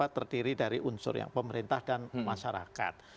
terdiri dari unsur yang pemerintah dan masyarakat